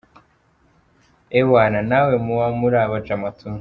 ewana nawe muba muri abajama tu.